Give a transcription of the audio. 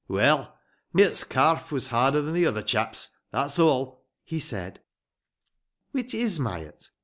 "Well, Hyatt's calf was harder than the other chap's, that's all," he said. "Which is Myatt?"